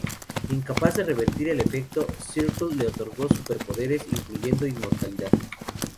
Incapaz de revertir el efecto, Circe le otorgó superpoderes, incluyendo inmortalidad.